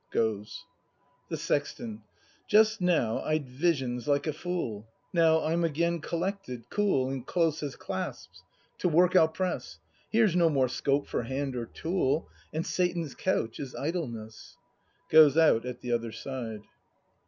[Goes. The Sexton. Just now I'd visions like a fool: Now I'm again collected, cool, . And close as clasps! To work I'll press! Here's no more scope for hand or tool, And Satan's couch is idleness. [Goes out at the other side.